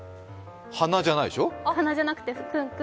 鼻じゃないでしょ？